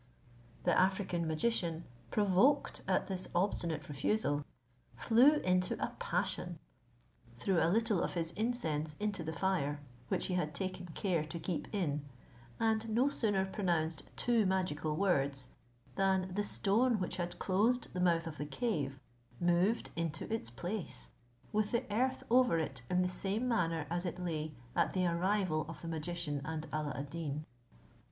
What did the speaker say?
The African magician, provoked at this obstinate refusal, flew into a passion, threw a little of his incense into the fire, which he had taken care to keep in, and no sooner pronounced two magical words, than the stone which had closed the mouth of the cave moved into its place, with the earth over it in the same manner as it lay at the arrival of the magician and Alla ad Deen.